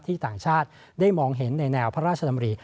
ต่างชาติได้มองเห็นในแนวพระราชดำริ